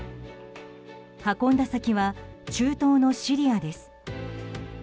運んだ先は、中東のシリアです。